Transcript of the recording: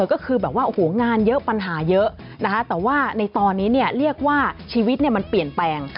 ก็คือแบบว่าโอ้โหงานเยอะปัญหาเยอะนะคะแต่ว่าในตอนนี้เรียกว่าชีวิตมันเปลี่ยนแปลง